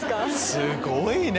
すごいね！